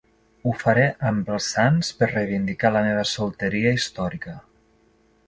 Ho faré amb els sants per reivindicar la meva solteria històrica.